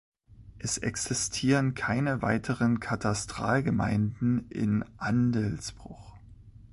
Es existieren keine weiteren Katastralgemeinden in Andelsbuch.